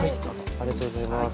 ありがとうございます。